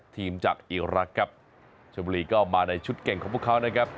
ทีมจากอีรักษ์ครับชมบุรีก็มาในชุดเก่งของพวกเขานะครับ